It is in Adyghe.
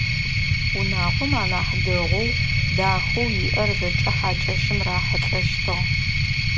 Унагъом анахь дэгъоу, дахэу иӏэр зэкӏэ хьакӏэщым рахьылӏэщтыгъ.